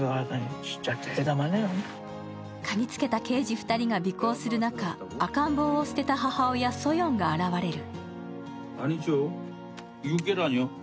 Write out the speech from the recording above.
かぎつけた刑事２人が尾行する中赤ん坊を捨てた母親・ソヨンが現れる。